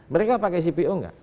mereka pakai cpo tidak